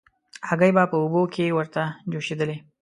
هګۍ به په اوبو کې ورته جوشېدلې.